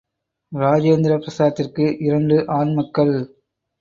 இராஜேந்திர பிரசாத்திற்கு இரண்டு ஆண் மக்கள்.